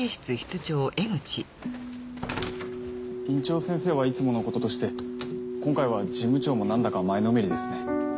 院長先生はいつものこととして今回は事務長もなんだか前のめりですね。